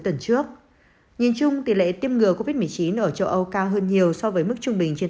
tuần trước nhìn chung tỷ lệ tiêm ngừa covid một mươi chín ở châu âu cao hơn nhiều so với mức trung bình trên